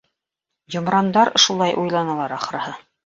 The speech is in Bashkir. Йомрандар шулай уйланалар, ахырыһы.